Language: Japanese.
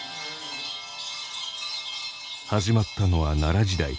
始まったのは奈良時代。